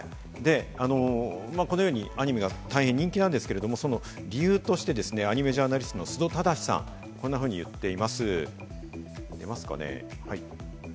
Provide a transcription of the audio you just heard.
このようにアニメが大変人気なんですけれども、その理由としてアニメジャーナリスト・数土直志さんはこんなふうに言っています。